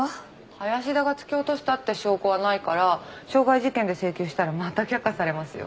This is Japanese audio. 林田が突き落としたって証拠はないから傷害事件で請求したらまた却下されますよ。